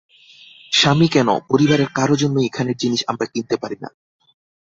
স্বামী কেন, পরিবারের কারও জন্যই এখানের জিনিস আমরা কিনতে পারি না।